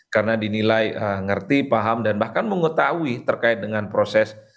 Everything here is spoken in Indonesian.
karena dinilai ngerti paham dan bahkan mengetahui terkait dengan proses